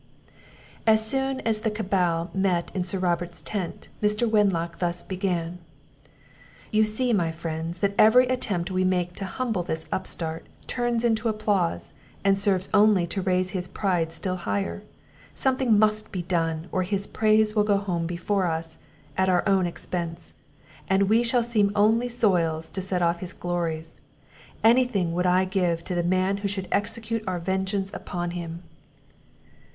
]As soon as the cabal met in Sir Robert's tent, Mr. Wenlock thus began: "You see, my friends, that every attempt we make to humble this upstart, turns into applause, and serves only to raise his pride still higher. Something must be done, or his praise will go home before us, at our own expence; and we shall seem only soils to set off his glories. Any thing would I give to the man who should execute our vengeance upon him."